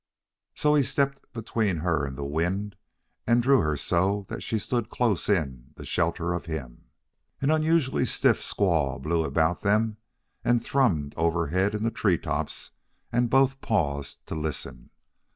So he stepped between her and the wind and drew her so that she stood close in the shelter of him. An unusually stiff squall blew about them and thrummed overhead in the tree tops and both paused to listen.